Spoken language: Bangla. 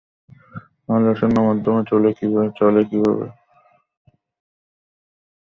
আলো শূন্য মাধ্যমে চলে কীভাবে?